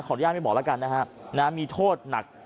ขออนุญาตให้บอกละกันนะครับมีโทษหนัก